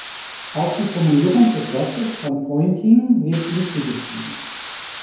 Auch die Formulierung des Satzes von Poynting wird ihm zugeschrieben.